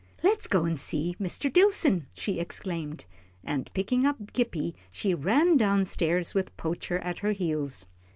"Let's go and see Mr. Dillson," she exclaimed, and picking up Gippie, she ran down stairs with Poacher at her heels.